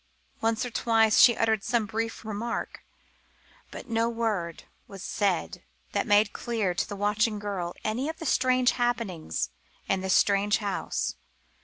Once or twice she uttered some brief remark, but no word was said that made clear to the watching girl any of the strange happenings in this strange house.